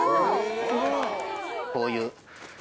こういう。